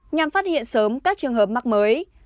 nhằm phát hiện sớm các trường hợp mắc mới